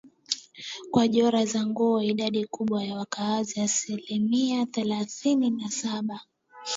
kwa jora za nguo Idadi kubwa ya wakazi asilimia themanini na saba